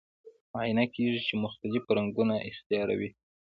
معاینه کیږي چې مختلف رنګونه اختیاروي.